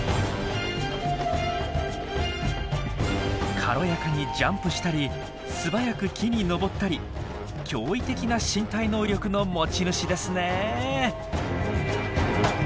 軽やかにジャンプしたり素早く木に登ったり驚異的な身体能力の持ち主ですね。